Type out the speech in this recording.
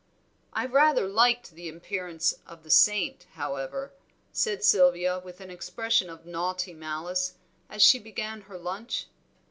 "I rather liked the appearance of the saint, however," said Sylvia, with an expression of naughty malice, as she began her lunch.